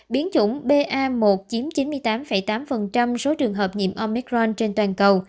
biến chủng ba chiếm chín mươi tám tám số trường hợp nhiễm omicron trên toàn cầu